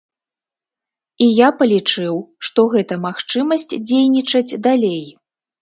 І я палічыў, што гэта магчымасць дзейнічаць далей.